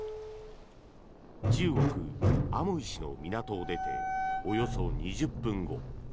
中国アモイ市の港を出ておよそ２０分後。